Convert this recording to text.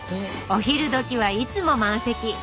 お昼どきはいつも満席！